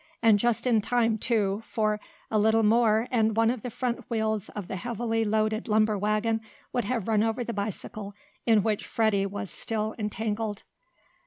And just in time, too, for, a little more, and one of the front wheels of the heavily loaded lumber wagon would have run over the bicycle in which Freddie was still entangled.